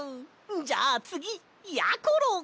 じゃあつぎやころ！